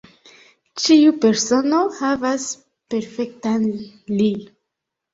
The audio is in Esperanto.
Ĉiu persono havas perfektan "li".